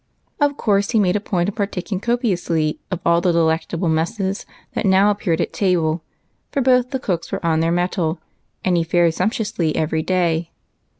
■ Of course he made a point of partaking copiously of all the delectable messes that now appeared at table, for both the cooks were on their mettle, and he fared sumptuously every day.